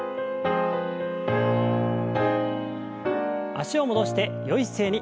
脚を戻してよい姿勢に。